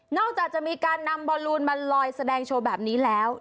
จากจะมีการนำบอลลูนมาลอยแสดงโชว์แบบนี้แล้ว